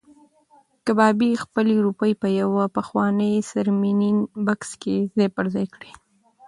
کبابي خپلې روپۍ په یو پخواني څرمنین بکس کې ځای پر ځای کړې.